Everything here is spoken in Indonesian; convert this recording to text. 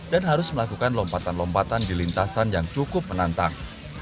dan harus melakukan lompatan lompatan di lintasan yang cukup menantang